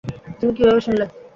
তুমি কিভাবে শুনলে?